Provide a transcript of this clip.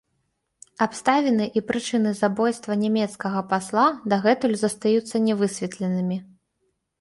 Абставіны і прычыны забойства нямецкага пасла дагэтуль застаюцца не высветленымі.